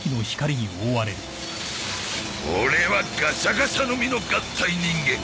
俺はガシャガシャの実の合体人間。